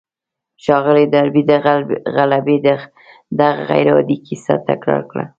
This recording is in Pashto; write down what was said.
ښاغلي ډاربي د غلبې دغه غير عادي کيسه تکرار کړه.